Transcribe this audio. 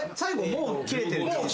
「もう切れてる」